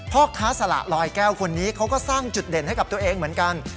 พ่อค้าสละลอยแก้วคนนี้เขาก็สร้างจุดเด่นให้กับตัวเองเหมือนกัน